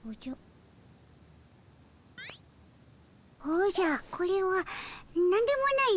おじゃこれはなんでもない